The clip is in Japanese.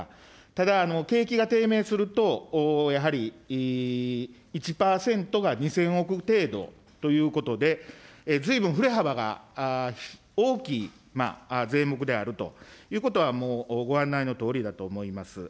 ただ、景気が低迷すると、やはり１％が２０００億程度ということで、ずいぶん振れ幅が大きい税目であるということはもうご案内のとおりだと思います。